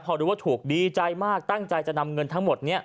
พอรู้ว่าถูกดีใจมากตั้งใจจะนำเงินทั้งหมดนี้